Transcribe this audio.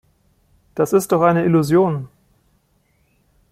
Das ist doch eine Illusion!